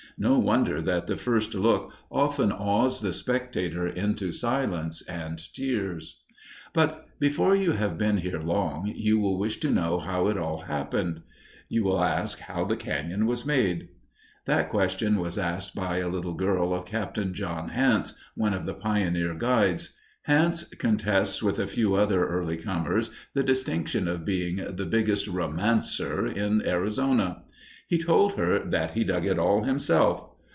No wonder that the first look often awes the spectator into silence and tears! But, before you have been here long, you will wish to know how it all happened. You will ask how the cañon was made. That question was asked by a little girl of Captain John Hance, one of the pioneer guides. Hance contests with a few other early comers the distinction of being the biggest "romancer" in Arizona. He told her that he dug it all himself.